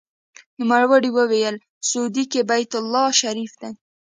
نوموړي وویل: سعودي کې بیت الله شریف دی.